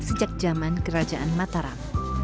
sejak zaman kerajaan mataram